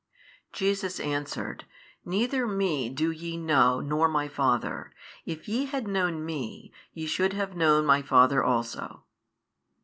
|575 Jesus answered, Neither Me do ye know nor My Father, if ye had known Me, ye should have known My Father also.